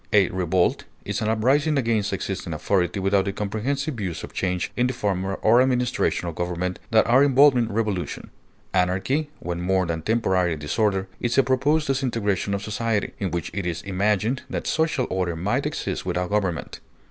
A revolt is an uprising against existing authority without the comprehensive views of change in the form or administration of government that are involved in revolution. Anarchy, when more than temporary disorder, is a proposed disintegration of society, in which it is imagined that social order might exist without government.